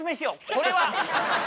これは。